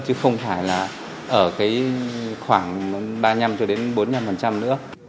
chứ không phải là ở khoảng ba mươi năm bốn mươi năm nữa